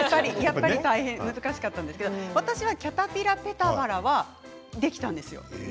大変で難しかったんですけど私はキャタピラペタバラはできたんですよ。